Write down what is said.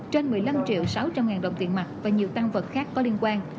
trên một mươi năm triệu sáu trăm linh ngàn đồng tiền mặt và nhiều tăng vật khác có liên quan